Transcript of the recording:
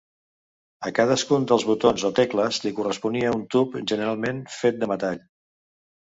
A cadascun dels botons o tecles li corresponia un tub, generalment, fet de metall.